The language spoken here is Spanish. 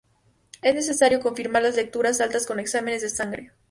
Es necesario confirmar las lecturas altas con exámenes de sangre.